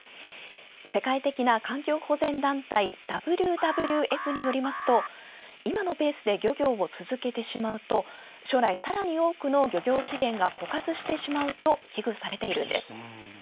世界的な環境保全団体ＷＷＦによりますと今のペースで漁業を続けてしまうと将来、さらに多くの漁業資源が枯渇してしまうと危惧されているんです。